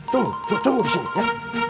tunggu disini ya